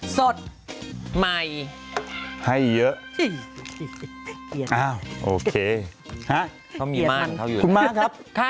สดใหม่ให้เยอะอ้าวโอเคเขามีม่านเขาอยู่คุณม่านครับ